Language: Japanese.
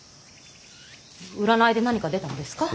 占いで何か出たのですか。